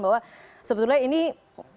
bahwa sebetulnya ini adalah perang yang akan terjadi